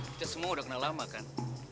kita semua udah kena lama kan